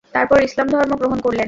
তারপর ইসলাম ধর্ম গ্রহণ করলেন।